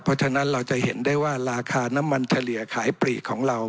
เพราะฉะนั้นเราจะเห็นได้ว่าราคาน้ำมันเฉลี่ยขายปลีกของเรา